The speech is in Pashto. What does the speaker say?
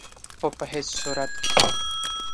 خو په هيڅ صورت